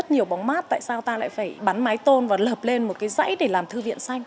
rất nhiều bóng mát tại sao ta lại phải bắn máy tôn và lợp lên một cái dãy để làm thư viện xanh